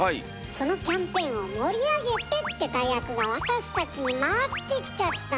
そのキャンペーンを盛り上げて！って大役が私たちに回ってきちゃったのよ。